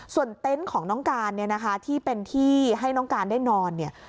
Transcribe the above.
ส่วนเต็นต์ของน้องการเนี่ยนะคะที่เป็นที่ให้น้องการได้นอนเนี่ย